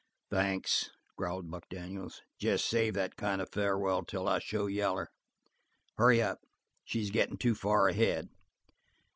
"Thanks," growled Buck Daniels. "Jes save that kind farewell till I show yaller. Hurry up, she's gettin' too far ahead."